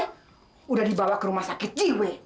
sudah dibawa ke rumah sakit jiwa